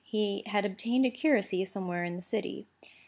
He had obtained a curacy somewhere in the city.